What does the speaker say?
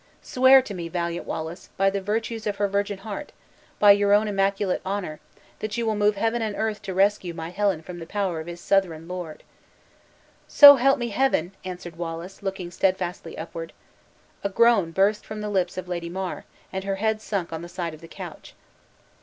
Swear to me, valiant Wallace, by the virtues of her virgin heart, by your own immaculate honor, that you will move heaven and earth to rescue my Helen from the power of his Southron lord!" "So help me Heaven!" answered Wallace, looking steadfastly upward. A groan burst from the lips of Lady Mar, and her head sunk on the side of the couch.